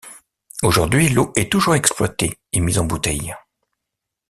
Aujourd'hui, l'eau est toujours exploitée et mise en bouteille.